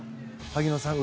萩野さん